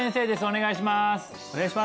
お願いします